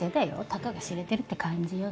たかが知れてるって感じよね。